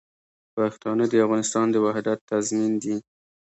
پښتانه د افغانستان د وحدت تضمین دي.